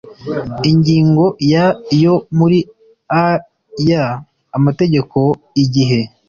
ingingo ya yo muri ay amategeko igihe